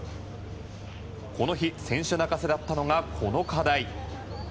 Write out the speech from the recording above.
この日、選手泣かせだったのがこの課題。